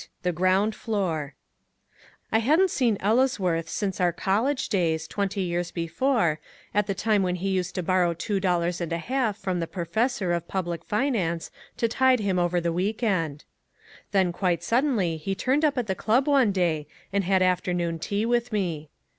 8. The Ground Floor I hadn't seen Ellesworth since our college days, twenty years before, at the time when he used to borrow two dollars and a half from the professor of Public Finance to tide him over the week end. Then quite suddenly he turned up at the club one day and had afternoon tea with me.